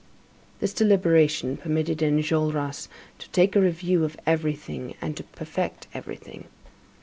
This deliberation permitted Enjolras to take a review of everything and to perfect everything.